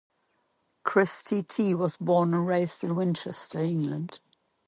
Chris T-T was born and raised in Winchester, England.